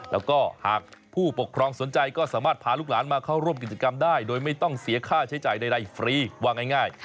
แล้วก็หากผู้ปกครองสนใจก็สามารถพาลูกหลานมาเข้าร่วมกิจกรรมได้โดยไม่ต้องเสียค่าใช้จ่ายใดฟรีว่าง่าย